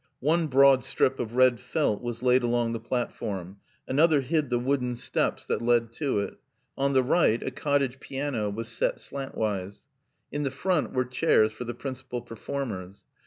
One broad strip of red felt was laid along the platform, another hid the wooden steps that led to it. On the right a cottage piano was set slantwise. In the front were chairs for the principal performers.